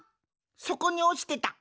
そこにおちてた。